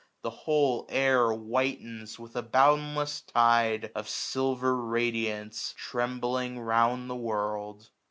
The whole air whitens with a boundless tide Of silver radiance, trembling round the world.